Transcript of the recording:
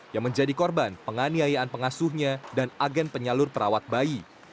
yang menjadi korban penganiayaan pengasuhnya dan agen penyalur perawat bayi